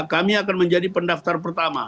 kami akan menjadi pendaftar pertama